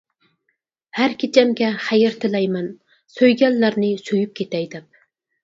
ھەر كېچەمگە خەير تىلەيمەن، سۆيگەنلەرنى سۆيۈپ كېتەي دەپ.